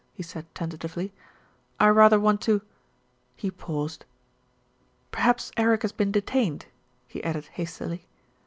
he said tentatively. "I rather want to ' He paused. "Perhaps Eric has been detained," he added hastily.